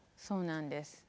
そうなんです。